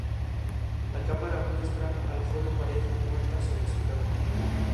En una de ellas se descubrió el sarcófago de los esposos.